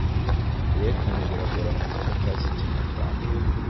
ibihekane biragora kumuntu utazi ikinyarwanda .